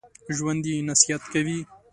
ژوندي نصیحت کوي